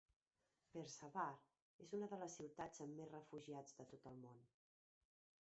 Peshawar és una de les ciutats amb més refugiats de tot el món.